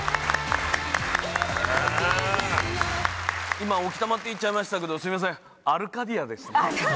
今置賜って言っちゃいましたけどすいませんアルカディアですね。